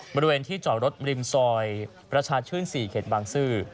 บริเวณที่จอดรถริมซอยประชาชื่น๔เขตบางซื่อ